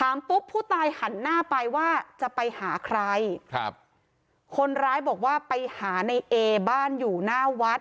ถามปุ๊บผู้ตายหันหน้าไปว่าจะไปหาใครครับคนร้ายบอกว่าไปหาในเอบ้านอยู่หน้าวัด